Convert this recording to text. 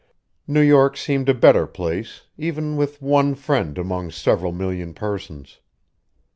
New York seemed a better place, even with one friend among several million persons.